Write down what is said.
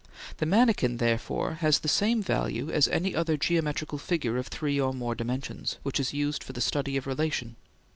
The manikin, therefore, has the same value as any other geometrical figure of three or more dimensions, which is used for the study of relation.